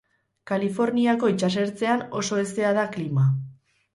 Kaliforniako itsasertzean oso hezea da klima.